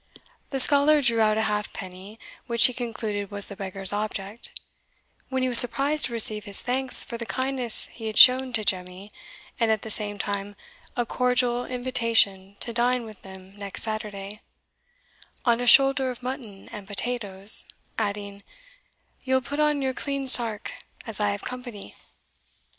The scholar drew out a halfpenny, which he concluded was the beggar's object, when he was surprised to receive his thanks for the kindness he had shown to Jemmie, and at the same time a cordial invitation to dine with them next Saturday, "on a shoulder of mutton and potatoes," adding, "ye'll put on your clean sark, as I have company."